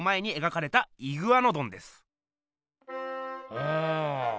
うん。